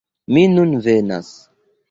"Mi nun venas!"